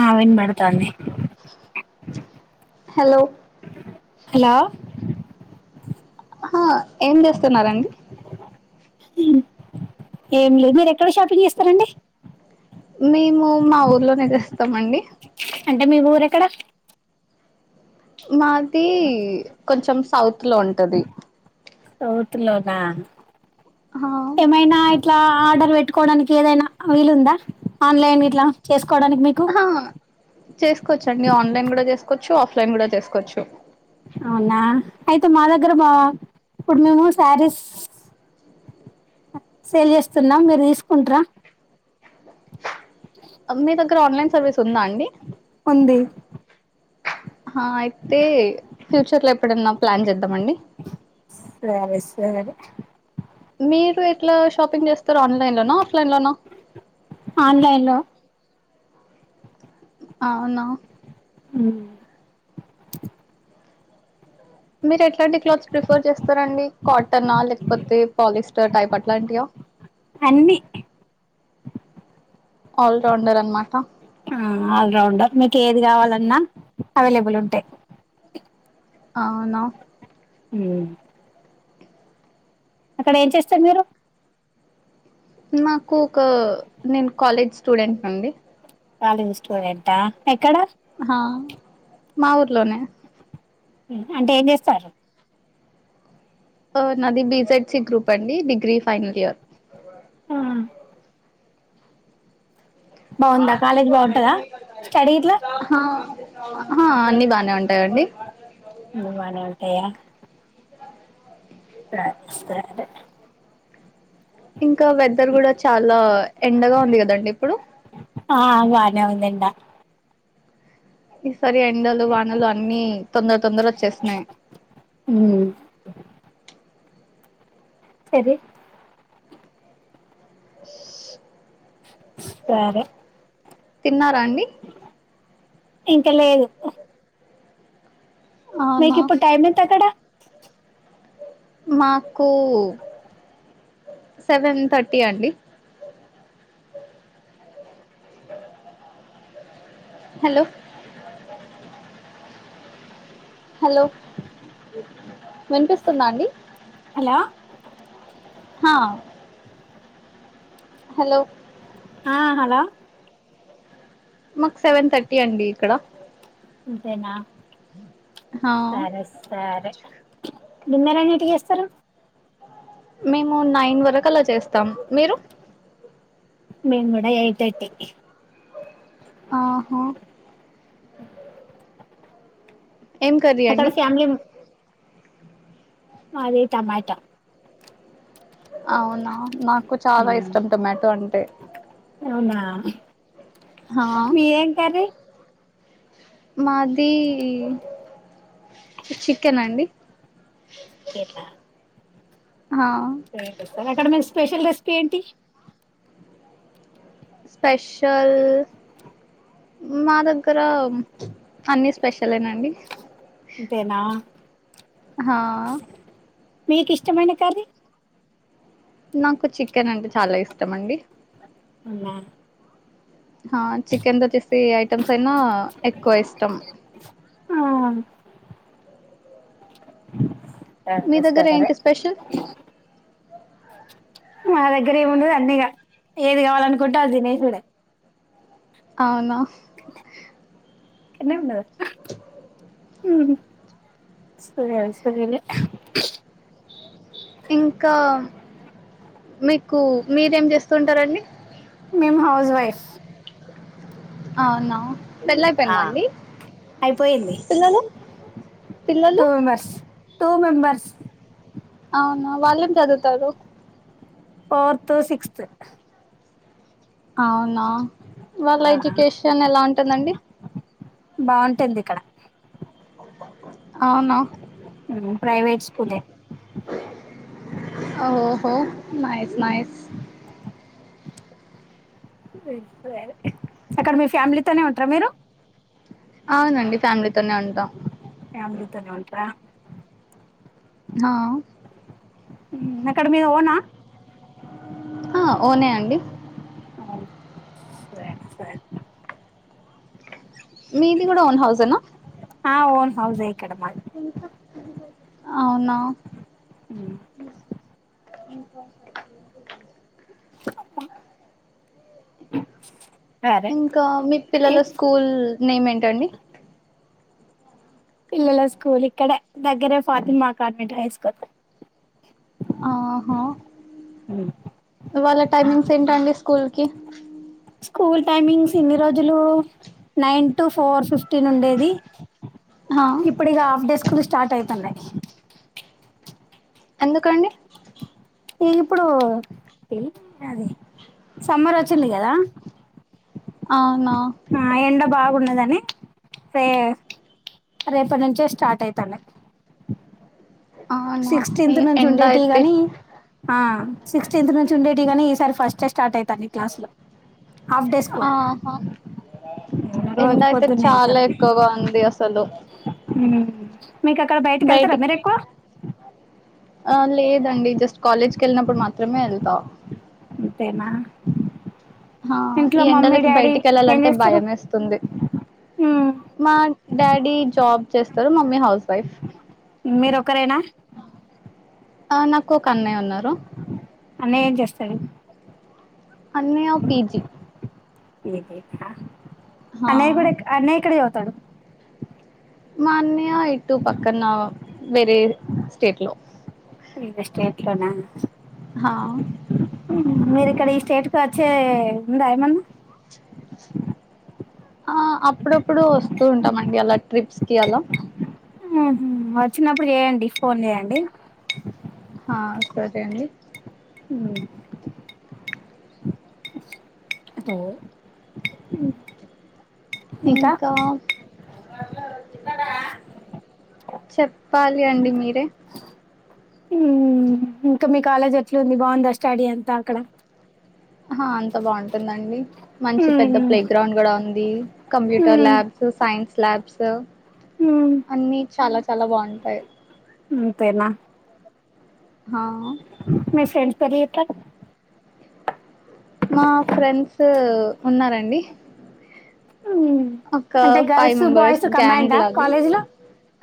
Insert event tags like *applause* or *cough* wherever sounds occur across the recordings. ఆ విన్బడుతన్నడి hello hello ఆ ఏం చేస్తున్నారంండి ఏం లేదు మీరు ఎక్కడ షాపింగ్ చేస్తారంండి మేము మా ఊర్లోనే చేస్తామండి అంటే మీ ఊరేకర మాది కొంచెం సౌత్ లో ఉంటది సౌత్ లోనా ఆ ఏమైనా ఎట్లా ఆర్డర్ పెట్టుకోవడానికి ఏదైనా వీలుందా ఆన్లైన్ ఇలా చే చేసుకోవచ్చండి ఆన్లైన్ కూడా చేసుకోవచ్చు చ్చ ఆఫ్లైన్ కూడా తీసుకోవచ్చు అవునా అయితే మా దగ్గర బావా ఇప్పుడు మేము శారీస్ సేల్ చేస్తున్నాం మీరు తీసుకుంటార మీ దగ్గర ఆన్లైన్ సర్వీస్ ఉందా అండి ఉంది ఆ అయితే ఫ్యూచర్ లో ఎప్పుడన్నా ప్లాన్ చేద్దామండి సరే సరే మీరు ఎట్లా షాపింగ్ చేస్తారు ఆన్లైన్ లోనా ఆఫ్లైన్ లోన ఆన్లైన్లో అవునా మ్మ్ మీరు ఎట్లాంటి క్లాత్స్ ప్రిఫర్ చేస్తారండి కాటన్ ఆ లేకపోతే పాలిస్టర్ టైప్ అట్లాంటియా అన్ని ఆల్ రౌండర్ అనమాట ఆల్రౌండర్ మీకు ఏది కావాల లన్నా అవైలబుల్ ఉంటాయి అవును మ్మ్ అక్కడ ఏం చేస్తారు మీరు మాకు ఒక నేను కాలేజ్ స్టూడెంట్ని అండి కాలేజీ స్టూడెంటా ఎక్కడ హ మా ఊర్లోనే అంటే ఏం చేస్తారు నాది బీ జెడ్ సి గ్రూప్ అండి డిగ్రీ ఫైనల్ ఇయర్ ఆ బాగుందా కాలేజ్ బాగుంటదా స్టడీ ఇట్లా ఆ అన్ని బానే ఉంటాయండి బానే ఉంటాయా *unintelligible* ఇంకా వెదర్ కూడా చాలా ఎండగా ఉంది కదండి ఇప్పుడు ఆ బానే ఉందండి మ్మ్ సరి ఎండలు వానలు అన్ని తొందర తొందర వచ్చేస్తున్నాయి సరే సరే తిన్నారా అండి ఇంకా లేదు మీకు అవునా ఇప్పుడు టైం ఎంత అక్కడ మా కు సెవెన్ థర్టీ అండి హలో హలో వినిపిస్తుందా అండి హలో హలో ఆ హలో మాకు సెవెన్ థర్టీ అండి ఇక్కడ ఇంతేన హా సరే సరే డిన్నర్ ఎన్నిటికీ చేస్తారు మేము నైన్ వరకు అల చేస్తాం మీరు మేం ఇడా ఎయిట్ థర్టీ ఆహ ఏం కర్రీ అక్కడ అండి ఫ్యామిలీ మాది టమెటా అవున నాకు చాలా ఉమ్ ఇష్టం టమాటో అంటే అ హా మీరేం కర్రీ మాదీ చికెన్ ఆ అండి కపా *unintelligible* ఆ అక్కడ మీకు స్పెషల్ రెసిపీ ఏంటి స్పెషల్ మాదమ్ ఇక్కర అన్ని స్పెషలెనండి ఇంతెన హా ఆ మీకు ఇష్టమైన కర్రీ నాకు చికెన్ అంటే చాలా ఇష్టం అండి. అవున హా చికెన్ తో చేస్తే ఏ ఐటమ్స్ చికెన్ ను ఎక్కువ ఇష్టం ఆ *unintelligible* మీ దగ్గర సరే ఏంటి స్పెషల్ మా దగ్గర ఏమి ఉండదు అన్నిగ ఏది కావాలనుకుంటే అది తినేసుడే అవున తినాండి సరే అ సరేలే ఇంకా మీకు మీరేం చేస్తుంటారు అండి మేము హౌస్ వైఫ్ అవున ఆ పెళ్ళయిపోయింద అండి అయిపోయింది పిల్లలు పిల్లలు టూ మెంబర్స్ టూ మెంబర్స్ అవునా వాళ్ళేం చదువుతారు ఫోర్త్ సిక్స్త్ అవునా వాళ్ళ ఎడ్యుకేషన్ ఎలా ఉంటుందండి బాగుంటుంది ఇక్కడ అవునా ప్రైవేట్ స్కూలే ఓహో నైస్ నైస్ సరే అక్కడ మీ ఫ్యామిలీతోనే ఉంటారా మీరు అవునండి ఫ్యామిలీతోనే ఉంటాం ఫ్యామిలీతోనే ఉంటా హ అక్కడ మీది ఓనా ఓనే అండి సరే సరే మిది కూడా ఓన్ హౌసేన ఆ ఓను హౌజే అవునా *unintelligible* అమ్మ ఇంకా మీ పిల్లల స్కూల్ నేమ్ ఏంటండి పిల్లల స్కూల్ ఇక్కడ దగ్గరే ఫాతిమా కాన్వెంట్ హైస్కూల్ ఆహా వాళ్ళ టైమింగ్స్ ఏంటండి కుల్కీ స్కూల్ టైమింగ్స్ ఇన్ని రోజులు నైన్ టు ఫోర్ ఫిఫ్టీన్ ఉండేది ఆ, ఇప్పుడు ఇగ హాఫ్డే స్కూల్ లు స్టార్ట్ అయితన్నయి ఎందుకండి ఇగ ఇప్పుడులి అది సమ్మర్ వచ్చింది కదా అవునా ఎండ బాగున్నదని రే రేపటి నుంచే స్టార్ట్ అయితన్నై అవునా ఈ సిక్స్టీన్త్ నుంచి ఎండ ఉండేటియి అయితే గని ఆ సిక్స్టీన్త్ నుంచి ఉండేటియి గనీ ఈసారి ఫస్ట్ స్టార్ట్ అయి తానై క్లాస్లో ఆహా ఎండ రోజు అయితే పొద్దున్న చాలా వెళ్తారు ఎక్కువగా ఉంది అసలు ఉ మీకు అక్కడ బయటకి కేళ్తారా బయటికి మీరు ఎక్కువ కేళ్ళినప్పుడు మాత్రమే ఎళ్తా అంతేనా ఆ ఈ ఇంట్లో మమ్మీ ఎండలకి డాడీ బయటికి ఏం వెళ్ళాలంటే చేస్తారు భయంమేస్తుంది మ్మ్ మా డాడీ జాబ్ చేస్తారు మమ్ మీరొక్కరేనా ఆ నాకు ఒక అన్నయ్య ఉన్నారు అన్నయ ఏం చేస్తాడు అన్నయా పిజి *unintelligible* అన్నయ కూడా అన్నయ్య ఇక్కడే చదు తడు మా అన్నయ్య ఇటు పక్కన వేరే స్టేట్ లో వేరే స్టేట్ లో నా హ మీరు ఇక్కడ ఈ స్టేట్ అచ్చేది ఉందా ఏమన్నా ఆ అప్పుడప్పుడు వస్తూ ఉంటామండి అలా ట్రిప్స్ కి అలా ఆహ వచ్చినప్పుడు చేయండి ఫోన్ చేయండి ఆ సరే అండి ఉ హలో ఇంకా చెప్పాలి అండి మీరే హు మీ కాలేజ్ ఎట్లుంది బాగుందా స్టడీ అంతా అక్కడ హా అంత బాగుంటుందండి మంచి పెద్ద ప్లే గ్రౌండ్ కూడా ఉంది computer labs science labs అన్నీ చాలా చాలా చాలా బాగుంటాయి అంతేనా ఆ మీ ఫ్రెండ్స్ *unintelligible* జేత్తల్లు మా ఫ్రెండ్స్ ఉన్నారండి. హు ఒక అంటే five girls members boys gang కంబైండా ఆ లాది కాలేజీలో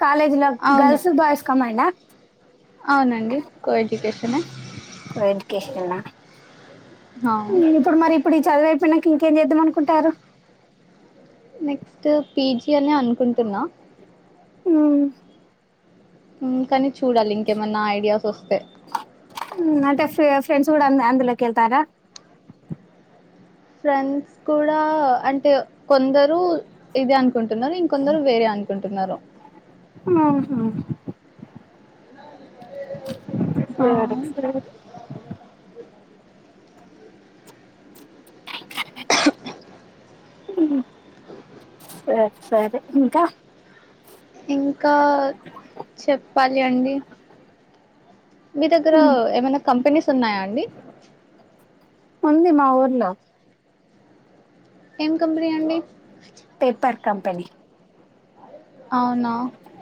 కాలేజ్లో అవును గర్ల్స్ బాయ్స్ కంబైండ్డా అవునండి కో ఎడ్యుకేషనే ఎడ్యుకేషన్ హా ఇప్పుడు మరి ఇప్పుడు చదువైపోయినంక ఇంకేం చేద్దాం అనుకుంటారు నెక్స్ట్ పీజీ అని అనుకుంటున్నా ఉమ్ కానీ చూడాలి ఇంకేమన్నా ఐడియాస్ వస్తే అంటే ఫే ఫే ఫ్రెండ్స్ కూడా అందులోకేళ్తారా ఫ్రెండ్స్ కూడా అంటే కొందరు ఇది అనుకుంటున్నా కొందరు వేరే అనుకుంటున్నారు ఉహు ఆ సరే *unintelligible* ఊమ్ సరీ సరే ఇంకా ఇం ఇంకా చెప్పాలి అండి మీ దగ్గర ఏమైనా కంపెనీస్ ఉన్నాయా అండి ఉందీ మా ఊర్లో ఏం కంపెనీ అండి పేపర్ కంపెనీ అవునా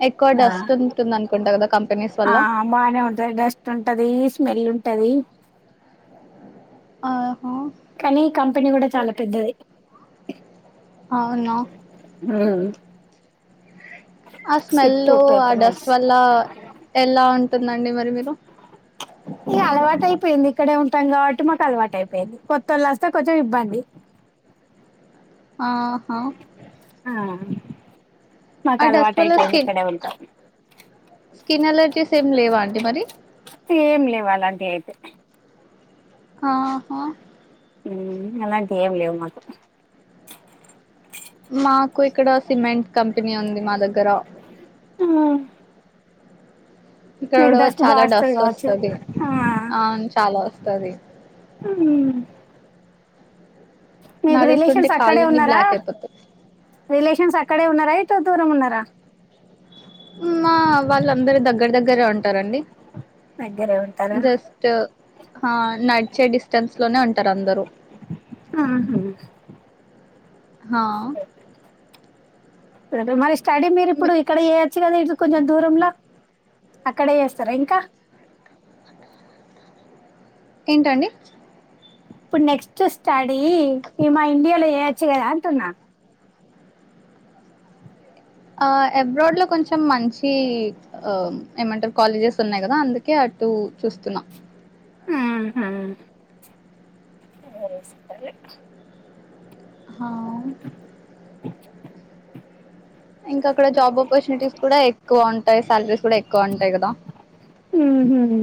ఎక్కువ ఆ డస్ట్ ఉంటుంది అనుకుంటా కదా కంపెనీస్ ఆ వల్ల బానే ఉంటది డస్ట్ ఉంటది స్మెల్ ఉంటది ఆ కానీ కంపెనీ కూడా చాలా పెద్దది అవునా ఉమ్ ఆ స్మెల్ సిప్పు ఆ పేపర్ డస్ట్ మిల్స్ వల్ల ఎలా ఉంటుందండి మరి మీరు ఈ అలవాటు అయిపోయింది ఇక్కడే ఉంటాం కాబట్టి మాకు అలవాటు అయిపోయింది కొత్త వాళ్ళు వస్తే కొంచెం ఇబ్బంది ఆహా ఆ మాకు ఆ డస్ట్ అలవాటు వల్ల అయిపోయింది స్కిన్ ఇక్కడే ఉంటామ్ స్కిన్ ఎలర్జస్ ఏం లేవాలంటే అయితే ఆహా ఊమ్ అలాంటి ఏం లేవు మాకు మాకు ఇక్కడ సిమెంట్ కంపెనీ ఉంది మా దగ్గర ఆ, ఇక్కడ మీకు కూడా డస్ట్ బాగా చాలా వస్తుంది డస్ట్ కావచ్చు వస్తది ఆ, అవును చాలా వస్తది ఉమ్, మీకు నడుస్తుంటే రిలేషన్స్ అక్కడే కాళ్ళన్నీ ఉన్నారా బ్లాక్ అయిపోతాయి రిలేషన్స్ అక్కడే ఉన్నారా అంత దూరం ఉన్నారా ఉ మా వాళ్ళందరి దర్పే అంట దగ్గరే ఉంటారండి దగ్గరే ఉంటారా జస్ట్ ఆ నడిచే డిస్టెన్స్ లోనే ఉంటారు అందరుూ ఆహా ఆ మరి స్టడీ మీరు ఇప్పుడు మీ- ఇక్కడ చేయచ్చు కదా ఇదు చేస్తారా ఇంకా ఏంటండి ఇప్పుడు నెక్స్ట్ స్టడీ మా ఇండియాలో చేయొచ్చు కదా అంటున్నా ఆ అబ్రాడ్ లో కొంచెం మంచి ఆ ఏమంటారు కాలేజెస్ ఉన్నాయి కదా అందుకే అటు చూస్తున్నా ఆహా. సరే సరే. ఆ ఇంకా అక్కడ జాబ్ ఆపర్చునిటీస్ కూడా ఎక్కువ ఉంటాయి సాలరీస్ కూడా ఎక్కువ ఉంటాయి కదా ఉహుం.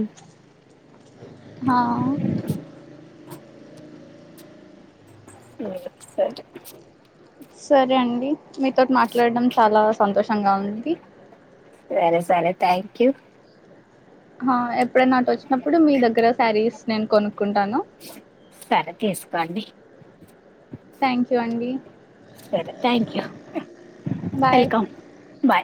ఆ సరే అండి మీతోటి మాట్లాడడం చాలా సంతోషంగా ఉంది సరే సరే థ్యాంక్ యూ హా ఎప్పుడైనా అటు వచ్చినప్పుడు మీ దగ్గర శారీస్ నేను కొనుక్కుంటాను సరే తీసుకోండి థ్యాంక్ యూ అండి సరే thank you bye welcome bye